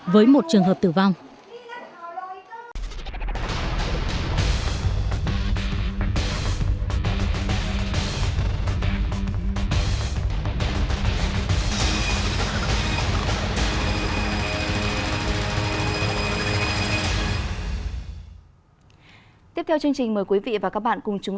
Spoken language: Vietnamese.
với một trường hợp tử vong